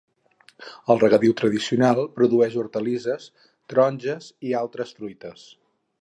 El regadiu tradicional produïx hortalisses, taronges i altres fruites.